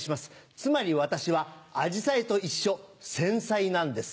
つまり私はアジサイと一緒繊細なんです。